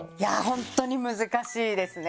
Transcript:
本当に難しいですね